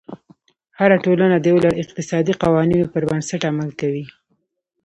هره ټولنه د یو لړ اقتصادي قوانینو پر بنسټ عمل کوي.